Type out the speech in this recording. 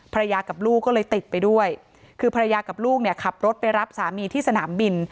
กับลูกก็เลยติดไปด้วยคือภรรยากับลูกเนี่ยขับรถไปรับสามีที่สนามบิน